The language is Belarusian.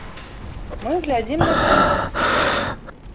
Мы глядзім на кнігу.